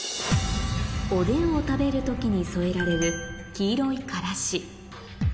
おでんを食べる時に添えられる黄色いん？